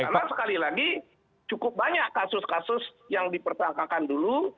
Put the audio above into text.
karena sekali lagi cukup banyak kasus kasus yang dipertahankan dulu